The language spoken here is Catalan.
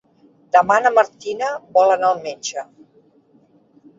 Demà na Martina vol anar al metge.